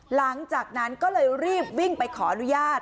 หลังจากนั้นก็เลยรีบวิ่งไปขออนุญาต